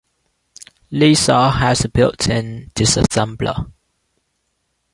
Lisa has a built-in disassembler.